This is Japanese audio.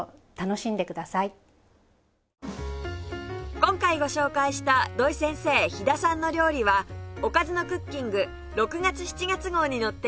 今回ご紹介した土井先生飛田さんの料理は『おかずのクッキング』６月７月号に載っています